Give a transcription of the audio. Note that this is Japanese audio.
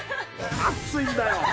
熱いんだよ。